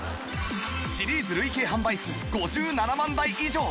シリーズ累計販売数５７万台以上